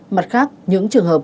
mặt khác những trường hợp